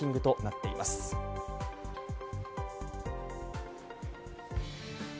このようなランキングとなっています。